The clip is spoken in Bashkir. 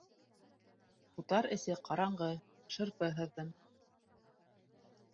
Утар эсе ҡараңғы, шырпы һыҙҙым.